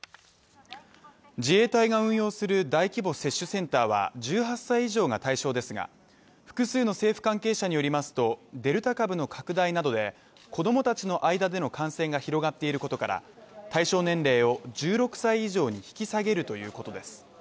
自衛隊が運用する大規模接種センターは１８歳以上が対象ですが、複数の政府関係者によりますとデルタ株の拡大などで子供たちの間での感染が広がっていることから、対象年齢を１６歳以上に引き下げるということです。